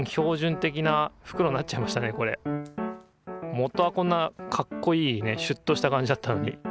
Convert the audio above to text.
元はこんなかっこいいねシュッとした感じだったのに。